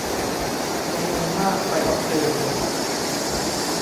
จำนวนมากไปออสเตรเลีย